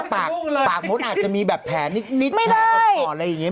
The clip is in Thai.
ปากมุดอาจจะมีแบบแผลนิดแผลอดอะไรอย่างเงี้ยไม่ได้